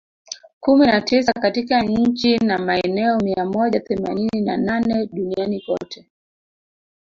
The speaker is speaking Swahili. kumi na tisa katika nchi na maeneo mia moja themanini na nane duniani kote